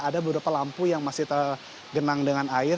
ada beberapa lampu yang masih tergenang dengan air